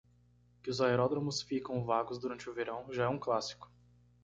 Que os aeródromos ficam vagos durante o verão, já é um clássico.